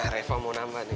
reva mau nambah nih